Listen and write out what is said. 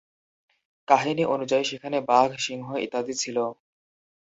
কাহিনি অনুযায়ী সেখানে বাঘ, সিংহ ইত্যাদি ছিল।